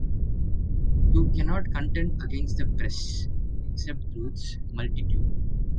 You cannot contend against the Press, except through its multitude.